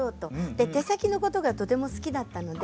で手先のことがとても好きだったので。